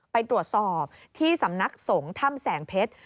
ไปตรวจสอบที่สำนักสงฆ์ถ้ำแสงเพชร